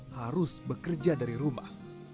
harus bekerja dari rumah